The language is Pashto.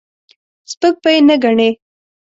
سپک به یې نه ګڼې.